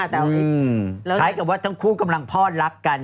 ถ้าสมมุติว่าทั้งคู่กำลังพรรดีรักกัน